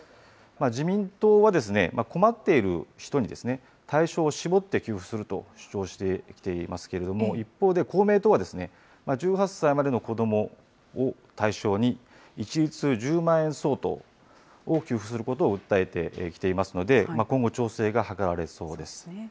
自民党は困っている人に、対象を絞って給付すると主張してきていますけれども、一方で、公明党は１８歳までの子どもを対象に、一律１０万円相当を給付することを訴えてきていますので、今後調整が図られそうです。